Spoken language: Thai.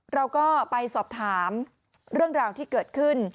เราก็ไปสอบถามเรื่องราวที่เกิดขึ้น